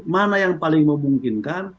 mana yang paling memungkinkan